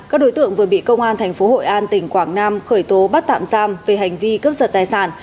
các đối tượng vừa bị công an tp hội an tỉnh quảng nam khởi tố bắt tạm giam về hành vi cướp giật tài sản